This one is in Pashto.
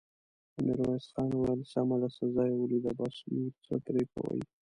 ميرويس خان وويل: سمه ده، سزا يې وليده، بس، نور څه پرې کوې!